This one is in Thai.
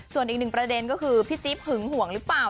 ส่วนอีกหนึ่งประเด็นก็คือพี่จิ๊บหึงห่วงหรือเปล่า